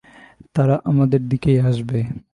তারা আমাদের দিকেই আসবে।